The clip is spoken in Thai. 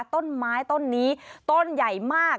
ต้นไม้ต้นนี้ต้นใหญ่มาก